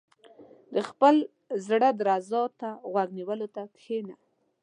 • د خپل زړۀ درزا ته غوږ نیولو ته کښېنه.